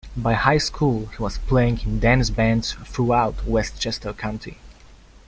By high school, he was playing in dance bands throughout Westchester County.